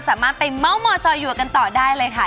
สามารถไปเม้ามอซอยยัวกันต่อได้เลยค่ะ